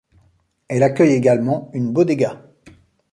Elle accueille également une bodega.